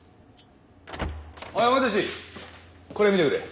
おいお前たちこれ見てくれ。